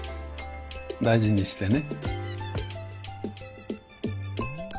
大事にしてね。